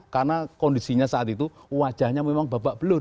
karena kondisinya saat itu wajahnya memang babak belur